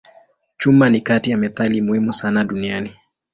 Chuma ni kati ya metali muhimu sana duniani.